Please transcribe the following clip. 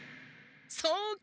そうか！